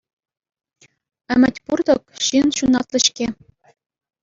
Ӗмӗт пур-тӑк – ҫын ҫунатлӑ-ҫке.